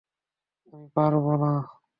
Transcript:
আমি পারবো না!